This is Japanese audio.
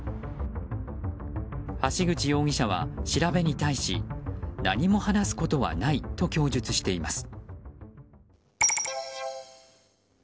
橋口容疑者は調べに対し何も話すことはないと供述しています。